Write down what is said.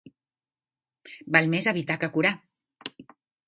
Val més evitar que curar